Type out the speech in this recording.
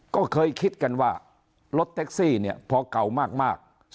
ก็เคยคิดกันว่ารถแท็กซี่เนี่ยพอเก่ามาก